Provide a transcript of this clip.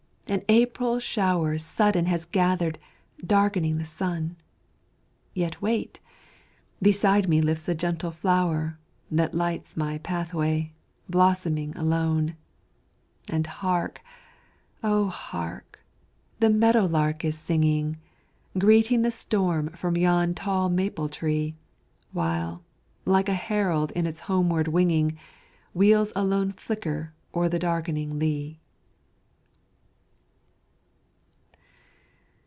an April shower Sudden has gathered, darkening the sun, Yet wait! beside me lifts a gentle flower, That lights my pathway, blossoming alone; And hark! O hark, the meadow lark is singing, Greeting the storm from yon tall maple tree, While, like a herald in its homeward winging, Wheels a lone flicker o'er the darkening lea.